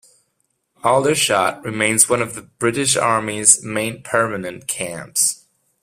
Aldershot remains one of the British Army's main permanent camps.